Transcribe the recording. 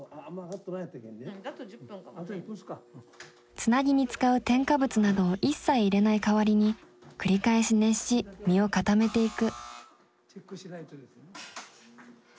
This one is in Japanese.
つなぎに使う添加物などを一切入れない代わりに繰り返し熱し身を固めていく。